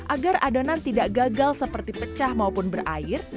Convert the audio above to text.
agar adonan tidak gagal seperti pecah maupun berair